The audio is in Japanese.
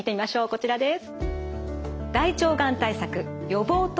こちらです。